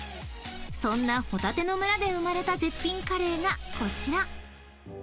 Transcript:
［そんなホタテの村で生まれた絶品カレーがこちら］